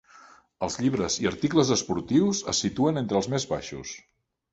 Els llibres i articles esportius es situen entre els més baixos.